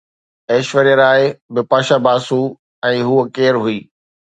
ايشوريا راءِ بپاشا باسو ۽ هوءَ ڪير هئي؟